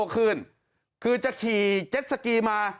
คือจะขี่เจ็ดสกีมา